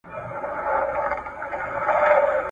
د نولس کلنې لوبډلې بریاوې د هېواد د روښانه راتلونکي تضمین کوي.